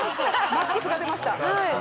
マックスが出ました。